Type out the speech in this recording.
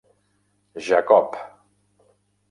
Jacob.